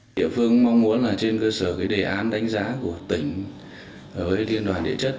địa phương mong muốn là trên cơ sở cái đề án đánh giá của tỉnh với liên đoàn địa chất